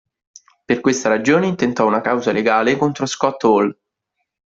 Per questa ragione intentò una causa legale contro Scott Hall.